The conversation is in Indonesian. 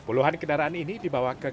puluhan kendaraan ini dibawa ke